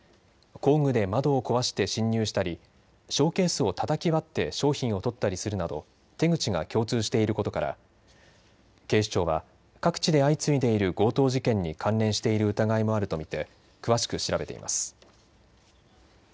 工具で窓を壊して侵入したりショーケースをたたき割って商品をとったりするなど手口が共通していることから警視庁は各地で相次いでいる強盗事件に関連している疑いもあると見て詳しく調べています。